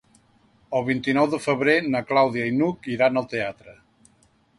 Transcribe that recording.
El vint-i-nou de febrer na Clàudia i n'Hug iran al teatre.